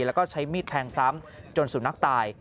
แล้วก็ใช้มีดแทงซ้ำจนสุนัขตาย